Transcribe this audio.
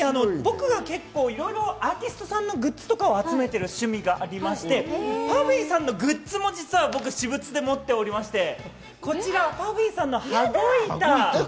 さらに僕がアーティストさんのグッズを集めている趣味がありまして、ＰＵＦＦＹさんのグッズも実は私物で持っておりまして、こちら、ＰＵＦＦＹさんの羽子板。